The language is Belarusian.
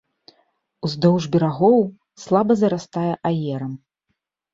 Уздоўж берагоў слаба зарастае аерам.